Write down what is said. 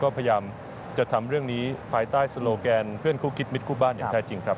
ก็พยายามจะทำเรื่องนี้ภายใต้โลแกนเพื่อนคู่คิดมิตรคู่บ้านอย่างแท้จริงครับ